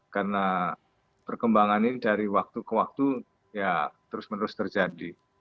karena perkembangan ini dari waktu ke waktu ya terus menerus terjadi